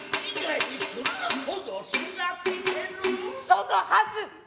そのはず。